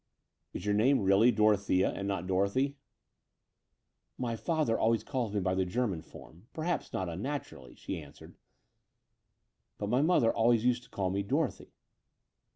"Is your name really 'Dorothea' and not 'Dorothy?"' *' My father always calls me by the German form — perhaps not unnaturally," she answered; "but my mother always used to call me 'Dorothy.'"